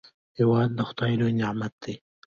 هېواد د خداي لوی نعمت دی.